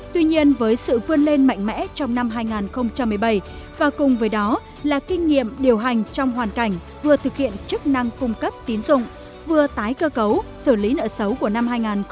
tuy nhiên với sự vươn lên mạnh mẽ trong năm hai nghìn một mươi bảy và cùng với đó là kinh nghiệm điều hành trong hoàn cảnh vừa thực hiện chức năng cung cấp tín dụng vừa tái cơ cấu xử lý nợ xấu của năm hai nghìn một mươi bảy